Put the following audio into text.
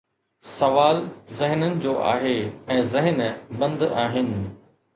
سوال ذهنن جو آهي ۽ ذهن بند آهن.